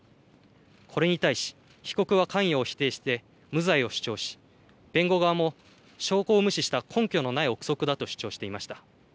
これに対し被告は関与を否定して無罪を主張し、弁護側も証拠を無視した根拠のない憶測だと主張していました。